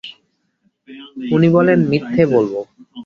উনি বলেন, মিথ্যে বলব।